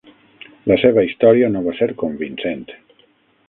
La seva història no va ser convincent.